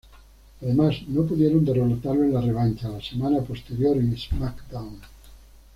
Además no pudieron derrotarlos en la revancha, la semana posterior en "SmackDown!".